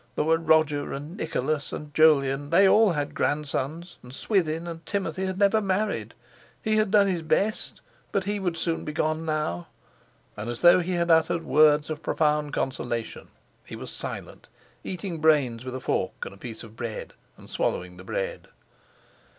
There were Roger and Nicholas and Jolyon; they all had grandsons. And Swithin and Timothy had never married. He had done his best; but he would soon be gone now. And, as though he had uttered words of profound consolation, he was silent, eating brains with a fork and a piece of bread, and swallowing the bread.